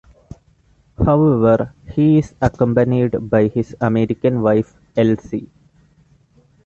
However, he is accompanied by his American wife, Elsie.